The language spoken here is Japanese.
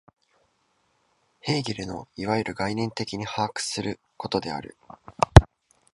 ヘーゲルのいわゆる概念的に把握することである。